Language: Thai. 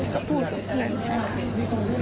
ก็พูดกับเพื่อนใช่